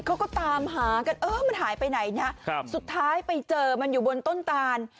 เขาก็ตามหากันเออมันหายไปไหนนะสุดท้ายไปเจอมันอยู่บนต้นตาน